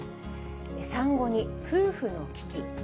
産後に夫婦の危機。